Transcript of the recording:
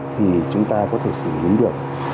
thì chúng ta có thể xử lý được